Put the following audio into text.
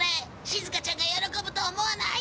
しずかちゃんが喜ぶと思わない？